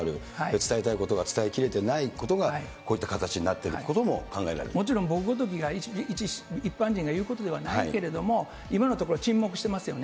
伝えたいことが伝えて切れてないことが、こういった形になってるもちろん、僕ごときが、一般人が言うことではないけれども、今のところ、沈黙してますよね。